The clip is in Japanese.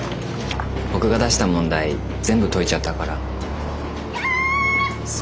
僕が出した問題全部解いちゃったから。